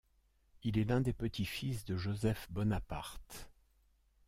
Il est l'un des petits-fils de Joseph Bonaparte.